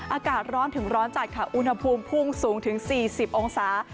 อากาศร้อนถึงร้อนจัดค่ะอุณหภูมิพุ่งสูงถึง๔๐องศา